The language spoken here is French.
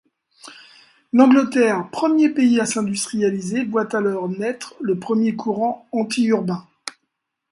L’Angleterre, premier pays à s’industrialiser, voit alors naitre le premier courant antiurbain.